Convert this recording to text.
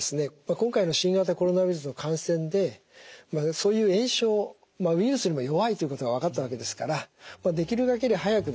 今回の新型コロナウイルスの感染でそういう炎症ウイルスにも弱いということが分かったわけですからできるだけ早くですね